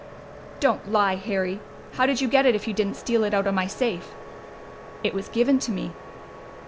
"Don't lie, Harry! How did you get it if you didn't steal it out of my safe?" "It was given to me."